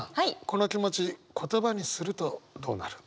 この気持ち言葉にするとどうなる？